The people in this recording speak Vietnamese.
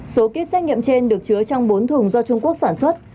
số kit xét nghiệm trên được chứa trong bốn thùng do trung quốc sản xuất